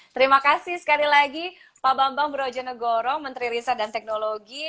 terima kasih sekali lagi pak bambang brojonegoro menteri riset dan teknologi